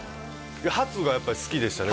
はつがやっぱり好きでしたね